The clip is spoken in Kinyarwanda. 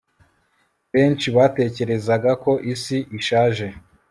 benshi batekerezaga ko isi ishaje